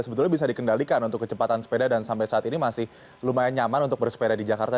sebetulnya bisa dikendalikan untuk kecepatan sepeda dan sampai saat ini masih lumayan nyaman untuk bersepeda di jakarta